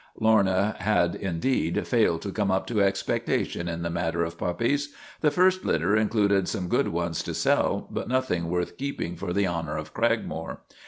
Lorna had, indeed, failed to come up to expecta tion in the matter of puppies. The first litter in cluded some good ones to sell, but nothing worth keeping for the honor of Cragmore.